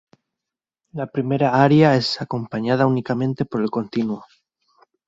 La primera aria es acompañada únicamente por el continuo.